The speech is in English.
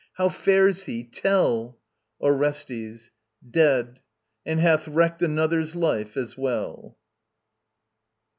How fares he? Tell! ORESTES. Dead. And hath wrecked another's life as well.